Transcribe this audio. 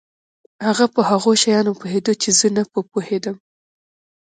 هغه په هغو شیانو پوهېده چې زه نه په پوهېدم.